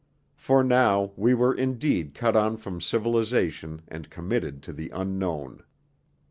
For now we were indeed cut on from civilization and committed to the unknown.